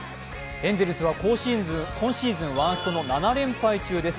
エンゼルスは今シーズンワーストの７連敗中です。